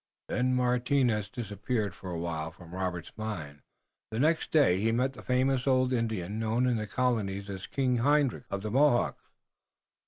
Then Martinus disappeared for a while from Robert's mind, because the next day he met the famous old Indian known in the colonies as King Hendrik of the Mohawks.